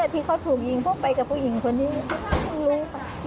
ที่เขาถูกยิงเพราะไปกับผู้หญิงคนนี้